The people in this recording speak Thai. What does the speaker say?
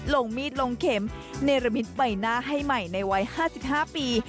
ลงมีดลงเข็มเนรมิตใบหน้าให้ใหม่ในวัย๕๕ปี